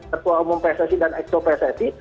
ketua umum prestasi dan ekstoprestasi